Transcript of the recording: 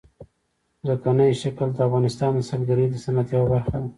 ځمکنی شکل د افغانستان د سیلګرۍ د صنعت یوه برخه ده.